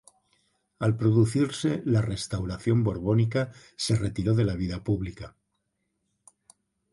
Al producirse la Restauración borbónica se retiró de la vida pública.